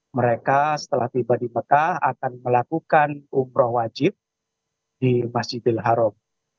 mereka setelah tiba di mekah akan melakukan umroh wajib di masjidil haram